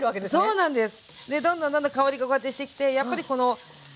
そうなんです。